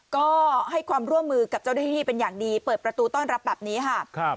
ก็ให้ความร่วมมือกับเจ้าหน้าที่เป็นอย่างดีเปิดประตูต้อนรับแบบนี้ค่ะ